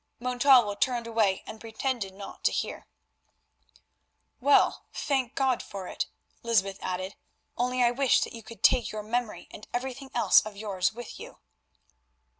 Montalvo turned away and pretended not to hear. "Well, thank God for it," Lysbeth added, "only I wish that you could take your memory and everything else of yours with you."